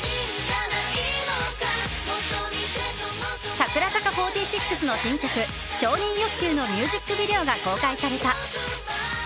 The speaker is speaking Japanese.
櫻坂４６の新曲「承認欲求」のミュージックビデオが公開された。